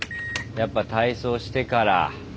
やっぱ体操してから。